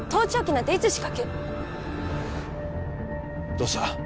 どうした？